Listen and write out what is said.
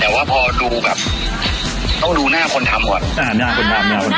เราต้องดูแบบหลายผู้เตี๋ยวนะแต่ว่าพอดูแบบต้องดูหน้าคนทำก่อน